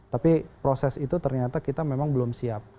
tapi proses itu ternyata kita memang belum siap